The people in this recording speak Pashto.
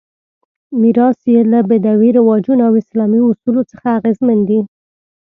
میراث یې له بدوي رواجونو او اسلامي اصولو څخه اغېزمن دی.